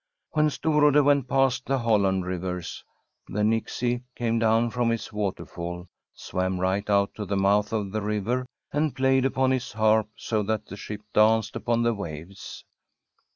When Storrade went past the Holland rivers, the Nixie came down from his waterfall, swam right out to the mouth of the river, and played upon his harp, so that the ship danced upon the waves.